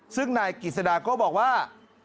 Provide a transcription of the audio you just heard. ซึ่งนายกิจสดาก็บอกว่า